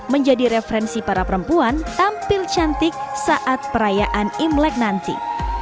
menjadi referensi para perempuan tampil cantik saat perayaan imlek nanti